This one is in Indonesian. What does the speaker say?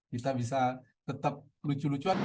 kita bisa tetap lucu lucuan